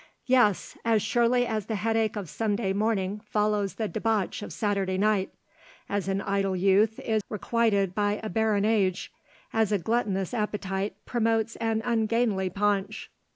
"Yes, as surely as the headache of Sunday morning follows the debauch of Saturday night, as an idle youth is requited by a barren age, as a gluttonous appetite promotes an ungainly paunch."